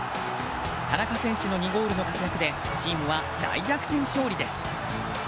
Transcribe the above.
田中選手の２ゴールの活躍でチームは大逆転勝利です。